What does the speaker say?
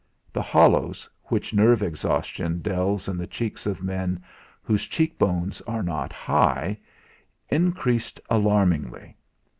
The hollows, which nerve exhaustion delves in the cheeks of men whose cheekbones are not high, increased alarmingly.